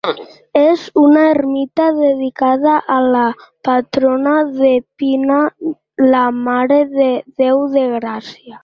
És una ermita dedicada a la patrona de Pina, la Mare de Déu de Gràcia.